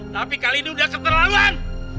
tapi kali ini udah keterlaluan